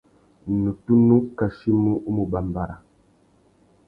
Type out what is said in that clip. Nnú tunu kachimú u mù bàmbàra.